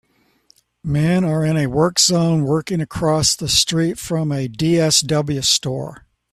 Men are in a work zone working across the street from a DSW store